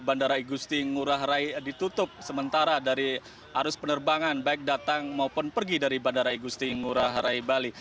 bandara igusti ngurah rai ditutup sementara dari arus penerbangan baik datang maupun pergi dari bandara igusti ngurah rai bali